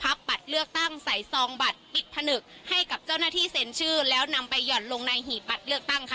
บัตรเลือกตั้งใส่ซองบัตรปิดผนึกให้กับเจ้าหน้าที่เซ็นชื่อแล้วนำไปห่อนลงในหีบบัตรเลือกตั้งค่ะ